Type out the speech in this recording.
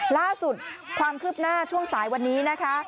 ล่าสุดความคืบหน้าช่วงสายวันนี้นะคะ